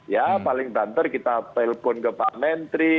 ya paling banter kita telpon ke pak menteri